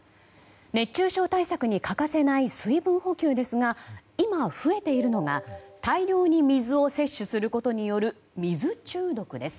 熱中症対策に欠かせない水分補給ですが今、増えているのが大量に水を摂取することによる水中毒です。